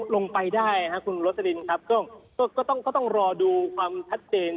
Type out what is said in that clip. ลงไปได้ครับคุณโรสลินครับก็ต้องรอดูความชัดเจน